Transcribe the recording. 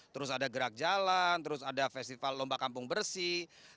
terus ada gerak jalan terus ada festival lomba kampung bersih